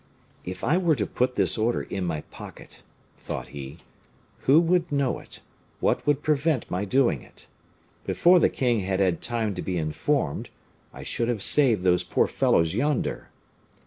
"If I were to put this order in my pocket," thought he, "who would know it, what would prevent my doing it? Before the king had had time to be informed, I should have saved those poor fellows yonder.